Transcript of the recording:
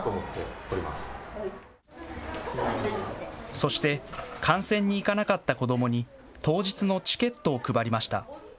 そして観戦に行かなかった子どもに当日のチケットを配りました。